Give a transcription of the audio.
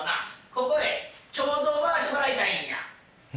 ここへ手水回してもらいたいんや。